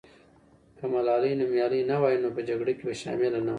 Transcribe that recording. که ملالۍ نومیالۍ نه وای، نو په جګړه کې به شامله نه وای.